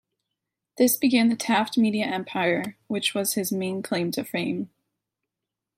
This began the Taft media empire which was his main claim to fame.